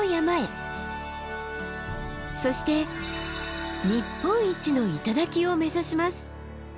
そして日本一の頂を目指します。